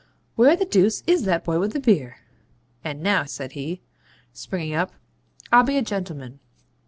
Where the deuce IS that boy with the beer? And now,' said he, springing up, 'I'll be a gentleman.'